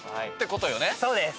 そうです。